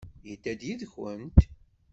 Yedda-d yid-kent?